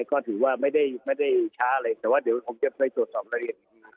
ก็ถือว่าไม่ได้ช้าอะไรแต่ว่าเดี๋ยวคงจะไปตรวจสอบรายละเอียด